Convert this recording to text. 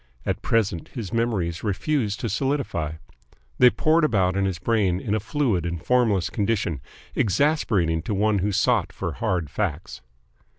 At present his memories refused to solidify. They poured about in his brain in a fluid and formless condition, exasperating to one who sought for hard facts.